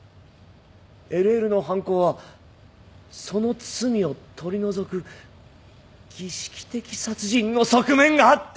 ＬＬの犯行はその罪を取り除く儀式的殺人の側面があったんだよ！